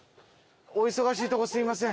お忙しいとこすいません。